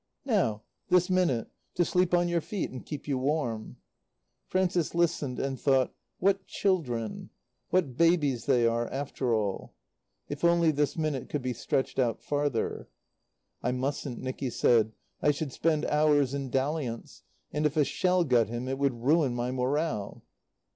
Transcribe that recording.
"Now, this minute. To sleep on your feet and keep you warm." Frances listened and thought: "What children what babies they are, after all." If only this minute could be stretched out farther. "I mustn't," Nicky said. "I should spend hours in dalliance; and if a shell got him it would ruin my morale."